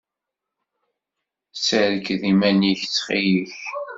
Sserked iman-ik, ttxil-k.